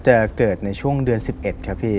จะเกิดในช่วงเดือน๑๑ครับพี่